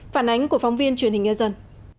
phản ánh của phóng viên truyền hình nghe dân